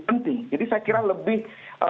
penting jadi saya kira lebih